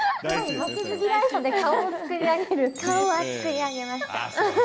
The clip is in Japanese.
負けず嫌いさで顔は作り上げ顔は作り上げました。